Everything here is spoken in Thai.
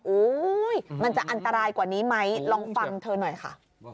มันจะอันตรายกว่านี้ไหมลองฟังเธอหน่อยค่ะ